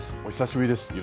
お久しぶりです。